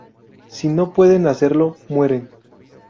Si no pueden hacerlo, mueren.